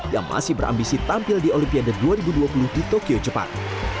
yang masih berambisi tampil di olimpiade dua ribu dua puluh di tokyo jepang